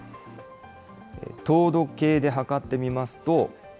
糖度計で測って見ますと。